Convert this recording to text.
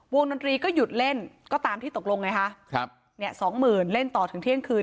ดนตรีก็หยุดเล่นก็ตามที่ตกลงไงคะครับเนี่ยสองหมื่นเล่นต่อถึงเที่ยงคืน